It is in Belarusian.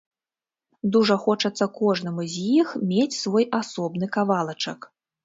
Дужа хочацца кожнаму з іх мець свой асобны кавалачак.